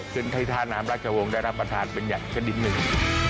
คือใครทาน้ำราชวงศ์ได้รับประทานเป็นอย่างชนิดหนึ่ง